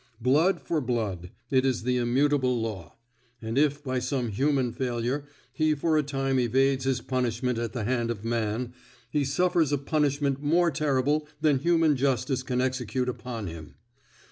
Blood for blood; it is the immutable law; and if by some human failure he for a time evades his punishment at the hand of man, he suffers a punishment more terrible than human justice can execute upon him.